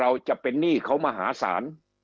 คำอภิปรายของสอสอพักเก้าไกลคนหนึ่ง